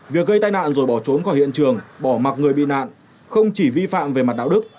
việc gây tai nạn rồi bỏ trốn khỏi hiện trường bỏ mặt người bị nạn không chỉ vi phạm về mặt đạo đức